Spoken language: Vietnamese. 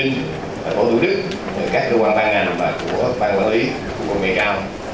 là bộ tổ chức các cơ quan ban ngành và của ban quản lý quân nghệ cao